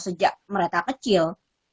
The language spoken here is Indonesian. sejak mereka kecil